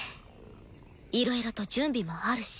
いろいろと準備もあるし。